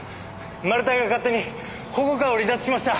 マル対が勝手に保護下を離脱しました。